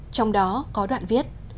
trong đó có đoạn viết